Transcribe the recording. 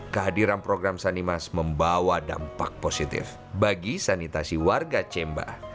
kehadiran program sanimas membawa dampak positif bagi sanitasi warga cemba